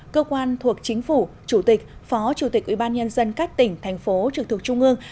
cơ quan thuộc chính phủ chủ tịch phó chủ tịch ủy ban nhân dân các tỉnh thành phố trực thuộc trung ương